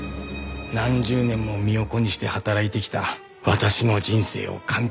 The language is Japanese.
何十年も身を粉にして働いてきた私の人生を簡単に奪った。